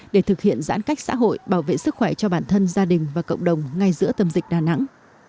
để thực hiện giãn cách xã hội bảo vệ sức khỏe cho bản thân gia đình và cộng đồng ngay giữa tâm dịch đà nẵng